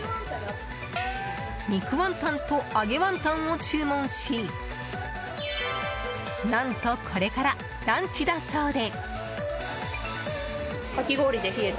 肉ワンタンと揚げワンタンを注文し何と、これからランチだそうで。